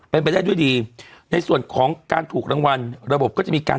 เป็นไปได้ด้วยดีในส่วนของการถูกรางวัลระบบก็จะมีการ